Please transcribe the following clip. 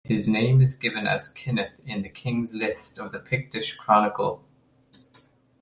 His name is given as Kineth in the king lists of the Pictish Chronicle.